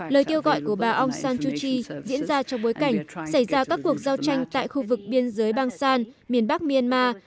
lời kêu gọi của bà aung san chuji diễn ra trong bối cảnh xảy ra các cuộc giao tranh tại khu vực biên giới bang san miền bắc myanmar